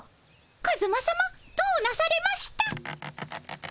カズマさまどうなされました？